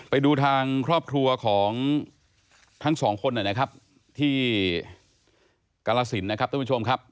ไปดูทางครอบครัวของทั้งสองคนที่กรรศิลป์นะครับท่านผู้ชมครับ